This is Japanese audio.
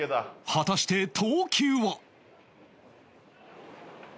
果たして投球は